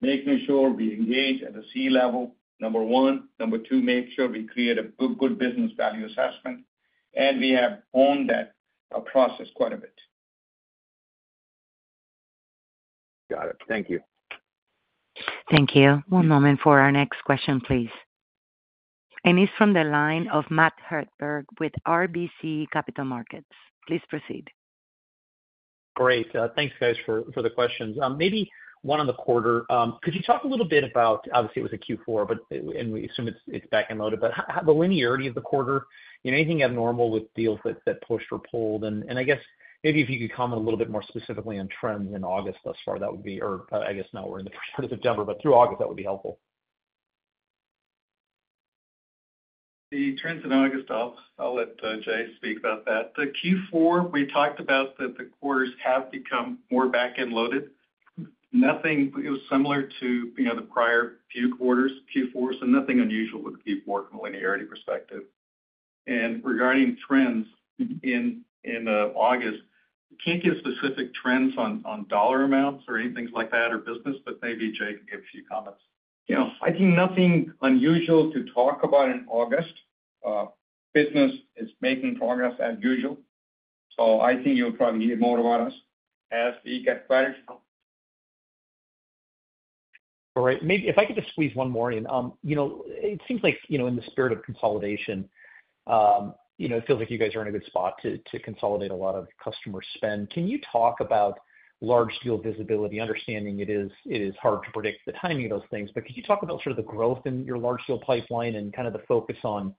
making sure we engage at the C-level, number one. Number two, make sure we create a good, good business value assessment, and we have owned that, process quite a bit. Got it. Thank you. Thank you. One moment for our next question, please. And it's from the line of Matt Hedberg, with RBC Capital Markets. Please proceed. Great. Thanks, guys, for the questions. Maybe one on the quarter. Could you talk a little bit about, obviously, it was a Q4, but, and we assume it's back-end loaded, but how the linearity of the quarter, anything abnormal with deals that pushed or pulled? And I guess maybe if you could comment a little bit more specifically on trends in August thus far, that would be, or I guess now we're in the first part of September, but through August, that would be helpful. The trends in August, I'll let Jay speak about that. The Q4, we talked about that the quarters have become more back-end loaded. Nothing. It was similar to, you know, the prior few quarters, Q4, so nothing unusual with Q4 from a linearity perspective. And regarding trends in August, can't give specific trends on dollar amounts or anything like that, or business, but maybe Jay can give a few comments. You know, I think nothing unusual to talk about in August. Business is making progress as usual, so I think you'll probably hear more about us as we get ready. All right. Maybe if I could just squeeze one more in. You know, it seems like, you know, in the spirit of consolidation, you know, it feels like you guys are in a good spot to, to consolidate a lot of customer spend. Can you talk about large deal visibility, understanding it is hard to predict the timing of those things, but could you talk about sort of the growth in your large deal pipeline and kind of the focus on,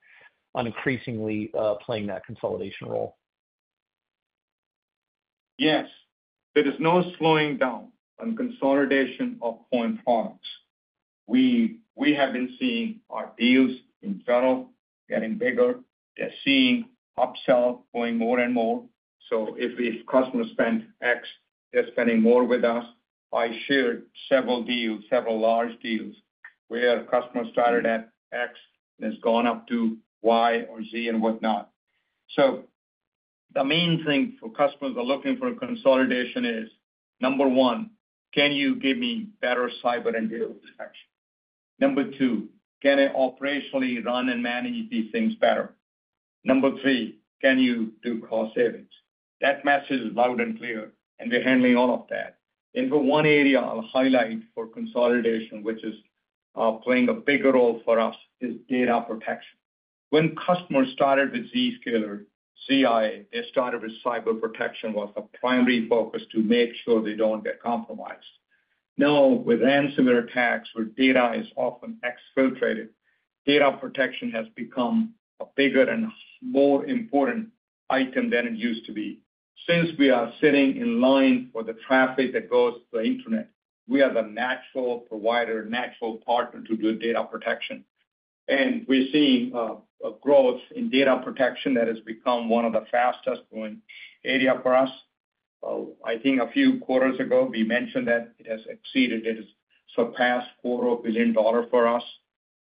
on increasingly, playing that consolidation role? Yes. There is no slowing down on consolidation of point products. We have been seeing our deals in total getting bigger. We are seeing upsell going more and more. So if a customer spend X, they're spending more with us. I shared several deals, several large deals, where a customer started at X, and it's gone up to Y or Z, and whatnot. So the main thing for customers are looking for a consolidation is, number one, can you give me better cyber and data protection? Number two, can I operationally run and manage these things better? Number three, can you do cost savings? That message is loud and clear, and we're handling all of that. And for one area I'll highlight for consolidation, which is playing a bigger role for us, is data protection. When customers started with Zscaler ZIA, they started with cyber protection, was a primary focus to make sure they don't get compromised. Now, with ransomware attacks, where data is often exfiltrated, data protection has become a bigger and more important item than it used to be. Since we are sitting inline for the traffic that goes to the internet, we are the natural provider, natural partner to do data protection. And we're seeing a growth in data protection that has become one of the fastest growing area for us. I think a few quarters ago, we mentioned that it has exceeded, it has surpassed $4 billion for us,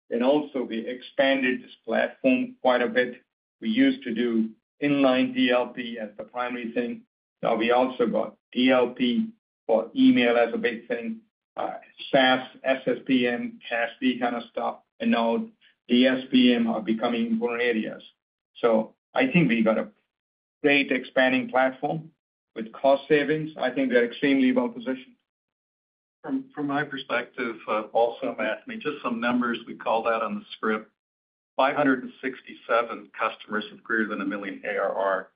and also we expanded this platform quite a bit. We used to do inline DLP as the primary thing. Now, we also got DLP for email as a big thing, SaaS, SSPM, CASB kind of stuff, and now DSPM are becoming important areas. So I think we've got a great expanding platform with cost savings. I think we're extremely well positioned. From my perspective, also, Matt, I mean, just some numbers we called out on the script, 567 customers with greater than $1 million ARR,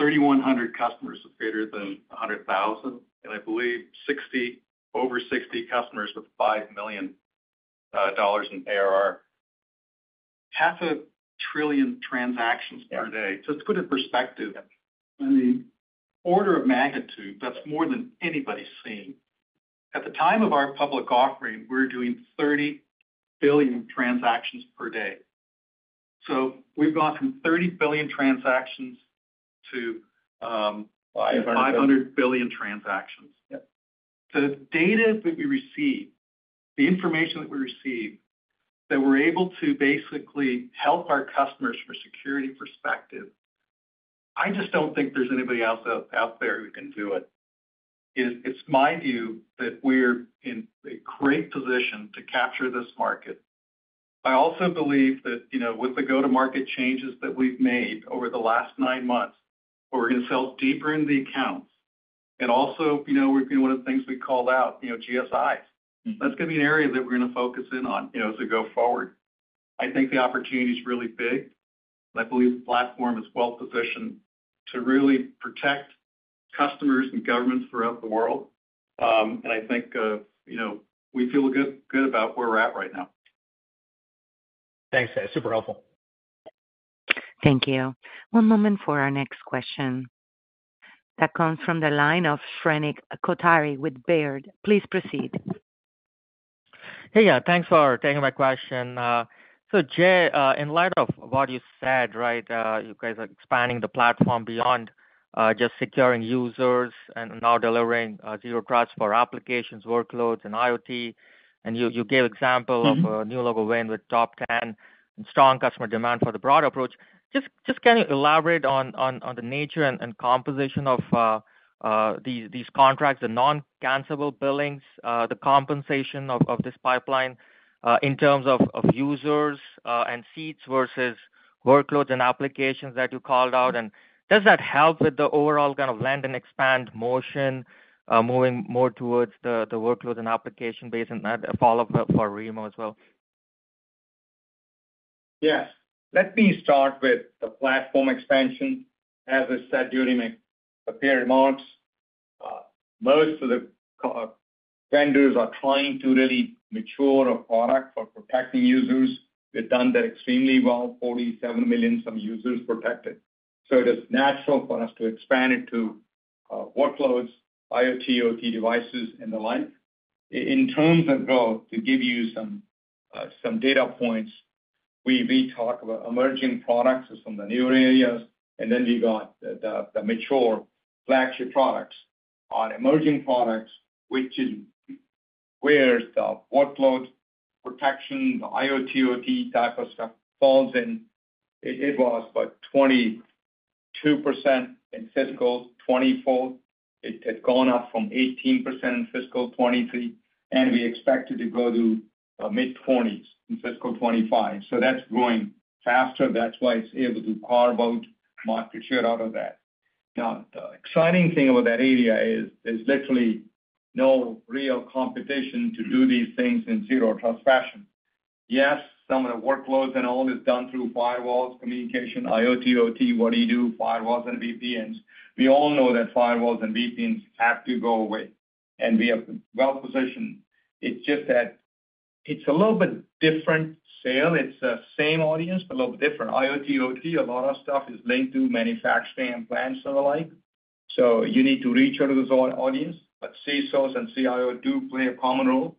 3,100 customers with greater than $100,000, and I believe 60, over 60 customers with $5 million in ARR. 500 billion transactions per day. So to put in perspective, in the order of magnitude, that's more than anybody's seeing. At the time of our public offering, we were doing thirty billion transactions per day. So we've gone from thirty billion transactions-... to 500 billion transactions. Yep. So the data that we receive, the information that we receive, that we're able to basically help our customers for security perspective, I just don't think there's anybody else out there who can do it. It's my view that we're in a great position to capture this market. I also believe that, you know, with the go-to-market changes that we've made over the last nine months, we're gonna sell deeper into the accounts. And also, you know, one of the things we called out, you know, GSI. Mm-hmm. That's gonna be an area that we're gonna focus in on, you know, as we go forward. I think the opportunity is really big, and I believe the platform is well-positioned to really protect customers and governments throughout the world, and I think, you know, we feel good about where we're at right now. Thanks, Jay. Super helpful. Thank you. One moment for our next question. That comes from the line of Shrenik Kothari with Baird. Please proceed. Hey, yeah, thanks for taking my question. So Jay, in light of what you said, right, you guys are expanding the platform beyond just securing users and now delivering zero trust for applications, workloads, and IoT. And you gave example-... of new logo win with top ten and strong customer demand for the broad approach. Just can you elaborate on the nature and composition of these contracts, the non-cancellable billings, the compensation of this pipeline, in terms of users and seats versus workloads and applications that you called out? And does that help with the overall kind of land and expand motion, moving more towards the workloads and application base? And a follow-up for Remo as well. Yes. Let me start with the platform expansion. As I said during my prepared remarks, most of the competitors are trying to really mature a product for protecting users. We've done that extremely well, 47 million some users protected. So it is natural for us to expand it to workloads, IoT, OT devices, and the like. In terms of growth, to give you some data points, we talk about emerging products from the newer areas, and then you got the mature flagship products. On emerging products, which is where the workload protection, the IoT, OT type of stuff falls in, it was about 22% in Fiscal 2024. It had gone up from 18% in Fiscal 2023, and we expect it to go to mid-20s% in Fiscal 2025. So that's growing faster. That's why it's able to carve out market share out of that. Now, the exciting thing about that area is, there's literally no real competition to do these things in Zero Trust fashion. Yes, some of the workloads and all is done through firewalls, communication, IoT, OT, what do you do? Firewalls and VPNs. We all know that firewalls and VPNs have to go away, and we are well-positioned. It's just that it's a little bit different sale. It's the same audience, but a little different. IoT, OT, a lot of stuff is linked to manufacturing and plants and the like, so you need to reach out to those audience. But CISOs and CIO do play a common role.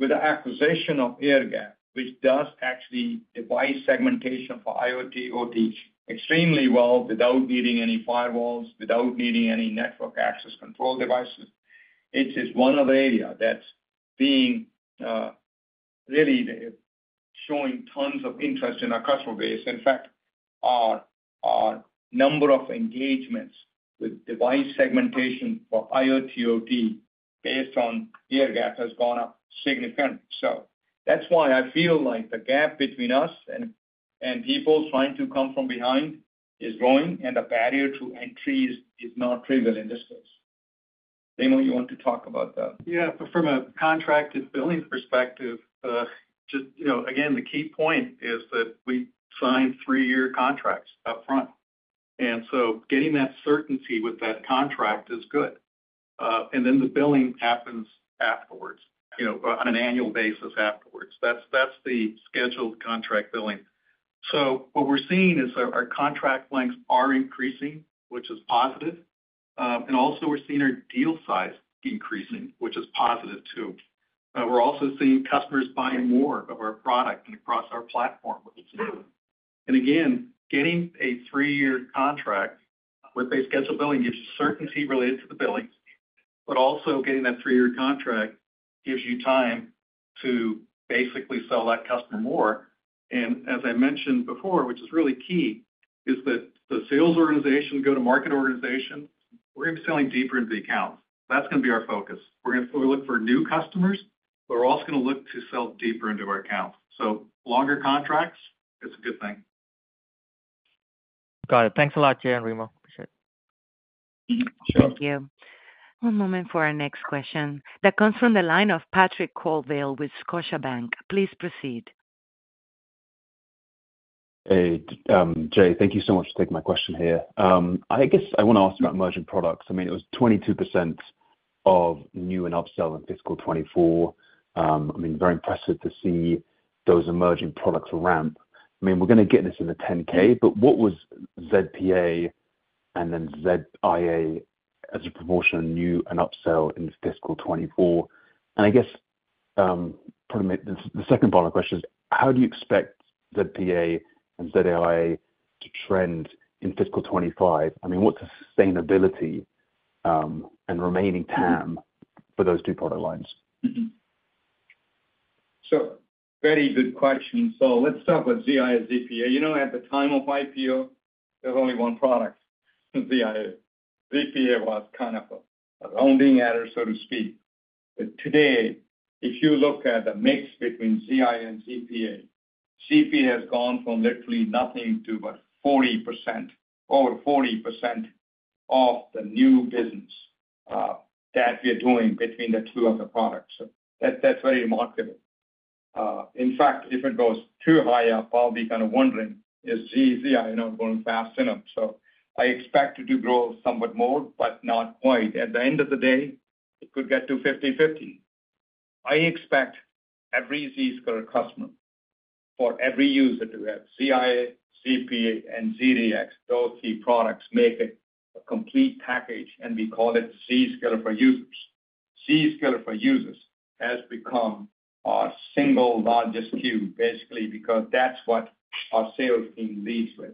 With the acquisition of Airgap, which does actually device segmentation for IoT, OT extremely well without needing any firewalls, without needing any network access control devices. It is one of the area that's being really showing tons of interest in our customer base. In fact, our number of engagements with device segmentation for IoT, OT, based on Airgap, has gone up significantly. So that's why I feel like the gap between us and people trying to come from behind is growing, and the barrier to entry is not trivial in this space. Remo, you want to talk about that? Yeah. From a contracted billing perspective, just, you know, again, the key point is that we sign three-year contracts up front, and so getting that certainty with that contract is good. And then the billing happens afterwards, you know, on an annual basis afterwards. That's the scheduled contract billing. So what we're seeing is our contract lengths are increasing, which is positive, and also we're seeing our deal size increasing, which is positive, too. We're also seeing customers buying more of our product and across our platform, which is good. And again, getting a three-year contract with a scheduled billing gives you certainty related to the billing, but also getting that three-year contract gives you time to basically sell that customer more. As I mentioned before, which is really key, is that the sales organization, go-to-market organization, we're gonna be selling deeper into the accounts. That's gonna be our focus. We're gonna look for new customers, but we're also gonna look to sell deeper into our accounts. Longer contracts, it's a good thing. Got it. Thanks a lot, Jay and Remo. Appreciate it. Thank you. One moment for our next question. That comes from the line of Patrick Colville with Scotiabank. Please proceed. Hey, Jay, thank you so much for taking my question here. I guess I want to ask about emerging products. I mean, it was 22% of new and upsell in Fiscal 2024. I mean, very impressive to see those emerging products ramp. I mean, we're gonna get this in the 10-K, but what was ZPA and then ZIA as a proportion of new and upsell in Fiscal 2024? And I guess probably the second part of the question is: How do you expect ZPA and ZIA to trend in Fiscal 2025? I mean, what's the sustainability and remaining TAM for those two product lines? Mm-hmm. So very good question. So let's start with ZIA, ZPA. You know, at the time of IPO, there's only one product, ZIA. ZPA was kind of a, an onboarding adder, so to speak. But today, if you look at the mix between ZIA and ZPA, ZPA has gone from literally nothing to about 40%, over 40% of the new business that we are doing between the two of the products. So that, that's very remarkable. In fact, if it goes too high up, I'll be kind of wondering, is ZIA, you know, growing fast enough? So I expect it to grow somewhat more, but not quite. At the end of the day, it could get to 50/50. I expect every Zscaler customer, for every user to have ZIA, ZPA, and ZDX. Those key products make it a complete package, and we call it Zscaler for Users. Zscaler for Users has become our single largest SKU, basically, because that's what our sales team leads with.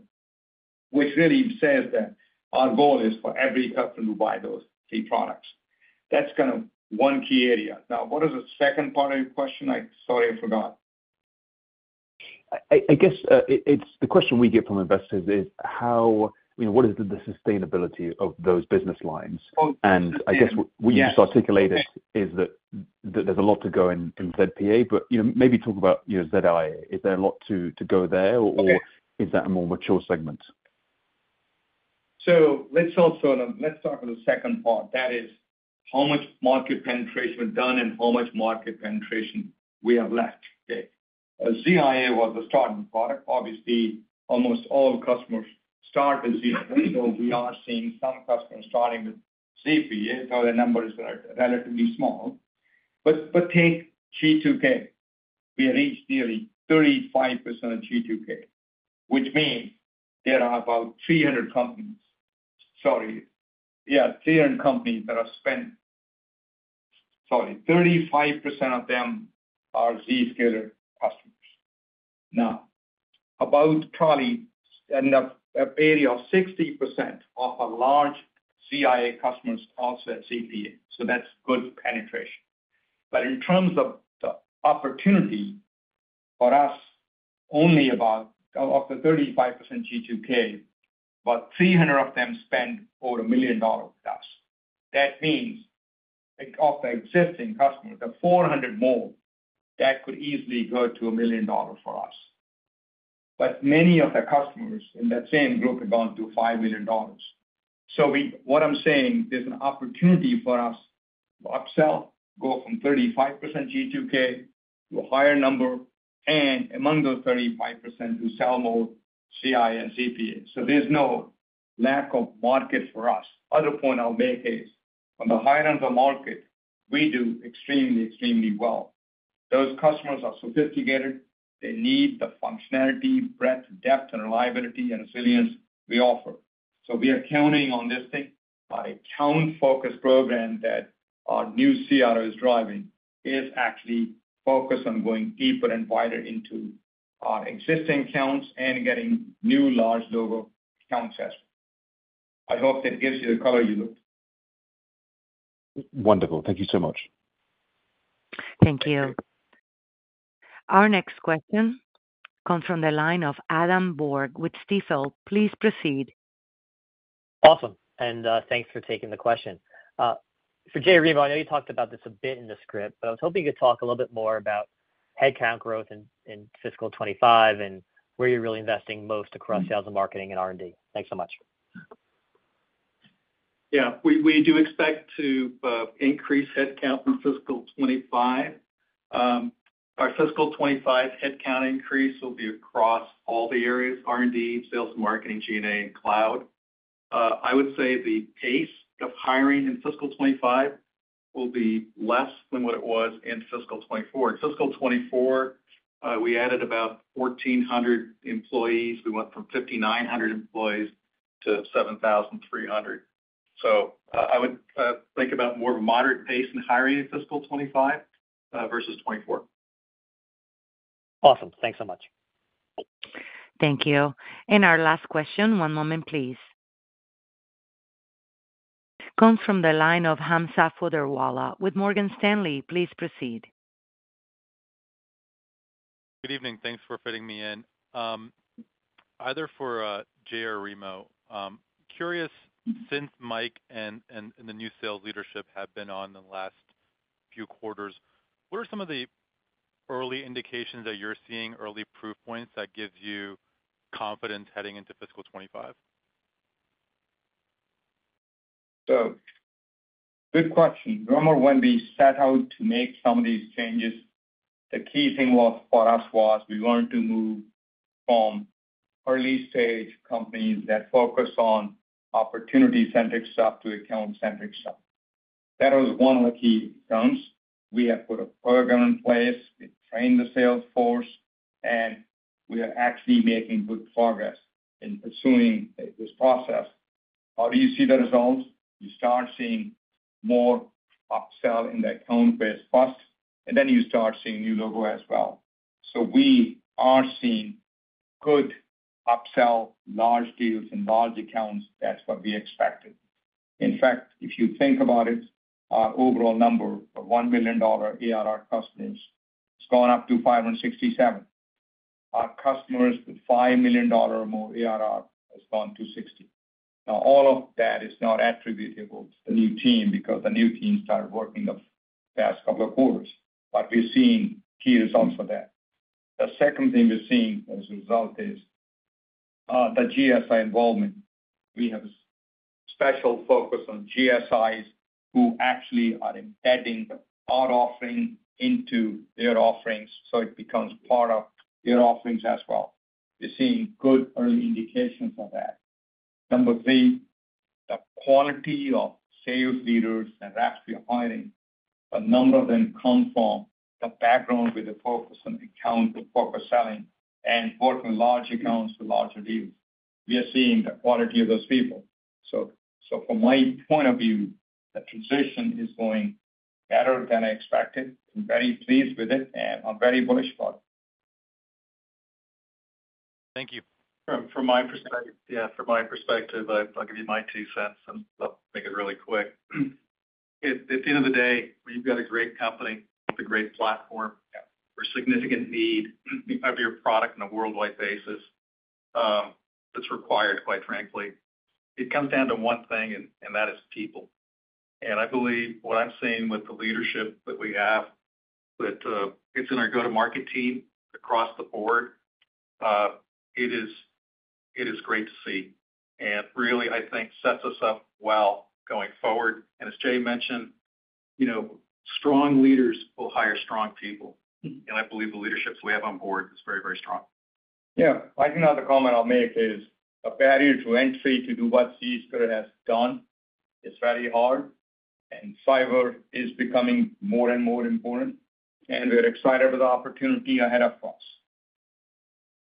Which really says that our goal is for every customer to buy those key products. That's kind of one key area. Now, what is the second part of your question? I'm sorry, I forgot. I guess it's the question we get from investors is how, you know, what is the sustainability of those business lines? Well, yeah. I guess what you just articulated is that there's a lot to go in ZPA, but you know, maybe talk about, you know, ZIA. Is there a lot to go there, or- Okay. Is that a more mature segment? So let's also, let's start with the second part. That is, how much market penetration we've done and how much market penetration we have left. Okay. ZIA was the starting product. Obviously, almost all customers start with ZIA, although we are seeing some customers starting with ZPA, so the numbers are relatively small. But take G2K. We reached nearly 35% of G2K, which means there are about three hundred companies. Sorry. Yeah, three hundred companies that are spending. Sorry, 35% of them are Zscaler customers. Now, about probably an area of 60% of our large ZIA customers are also at ZPA, so that's good penetration. But in terms of the opportunity for us, only about, of the 35% G2K, about three hundred of them spend over $1 million with us. That means of the existing customers, there are 400 more that could easily go to $1 million for us. But many of the customers in that same group have gone to $5 million. What I'm saying, there's an opportunity for us to upsell, go from 35% G2K to a higher number, and among those 35%, to sell more ZIA and ZPA. So there's no lack of market for us. Other point I'll make is, on the high end of the market, we do extremely, extremely well. Those customers are sophisticated. They need the functionality, breadth, depth, and reliability and resilience we offer. So we are counting on this thing, our account focus program that our new CRO is driving, is actually focused on going deeper and wider into our existing accounts and getting new, large logo accounts as well. I hope that gives you the color you looked. Wonderful. Thank you so much. Thank you. Our next question comes from the line of Adam Borg with Stifel. Please proceed. Awesome, and thanks for taking the question. For Jay and Remo, I know you talked about this a bit in the script, but I was hoping you could talk a little bit more about headcount growth in Fiscal twenty-five and where you're really investing most across sales and marketing and R&D. Thanks so much. Yeah. We do expect to increase headcount in Fiscal twenty-five. Our Fiscal twenty-five headcount increase will be across all the areas, R&D, sales and marketing, G&A, and cloud. I would say the pace of hiring in Fiscal twenty-five will be less than what it was in Fiscal twenty-four. In Fiscal twenty-four, we added about fourteen hundred employees. We went from fifty-nine hundred employees to seven thousand three hundred, so I would think about more of a moderate pace in hiring in Fiscal twenty-five versus twenty-four. Awesome. Thanks so much. Thank you, and our last question. One moment, please. Comes from the line of Hamza Fodderwala with Morgan Stanley. Please proceed. Good evening. Thanks for fitting me in. Either for Jay or Remo, curious, since Mike and the new sales leadership have been on in the last few quarters, what are some of the early indications that you're seeing, early proof points, that gives you confidence heading into Fiscal twenty-five? So, good question. Remember, when we set out to make some of these changes, the key thing was, for us was, we wanted to move from early-stage companies that focus on opportunity-centric stuff to account-centric stuff. That was one of the key things. We have put a program in place to train the sales force, and we are actually making good progress in pursuing this process. How do you see the results? You start seeing more upsell in the account base first, and then you start seeing new logo as well. So we are seeing good upsell, large deals, and large accounts. That's what we expected. In fact, if you think about it, our overall number of $1 million ARR customers, it's gone up to 567. Our customers with $5 million or more ARR has gone to 60. Now, all of that is not attributable to the new team because the new team started working the past couple of quarters, but we're seeing key results for that. The second thing we're seeing as a result is, the GSI involvement. We have a special focus on GSIs who actually are embedding our offering into their offerings, so it becomes part of their offerings as well. We're seeing good early indications of that. Number three, the quality of sales leaders and reps we are hiring, a number of them come from the background with a focus on account, a focus selling, and work on large accounts with larger deals. We are seeing the quality of those people. So, so from my point of view, the transition is going better than expected. I'm very pleased with it, and I'm very bullish for it. Thank you. From my perspective, yeah, from my perspective, I'll give you my two cents, and I'll make it really quick. At the end of the day, when you've got a great company with a great platform for significant need of your product on a worldwide basis, it's required, quite frankly. It comes down to one thing, and that is people. I believe what I'm seeing with the leadership that we have, that it's in our go-to-market team across the board. It is great to see, and really, I think, sets us up well going forward. As Jay mentioned, you know, strong leaders will hire strong people, and I believe the leadership we have on board is very, very strong. Yeah. I think another comment I'll make is a barrier to entry to do what Zscaler has done is very hard, and cyber is becoming more and more important, and we're excited with the opportunity ahead of us.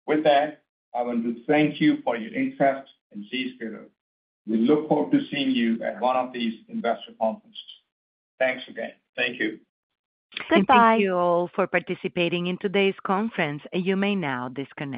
With that, I want to thank you for your interest in Zscaler. We look forward to seeing you at one of these investor conferences. Thanks again. Thank you. Goodbye. Thank you all for participating in today's conference. You may now disconnect.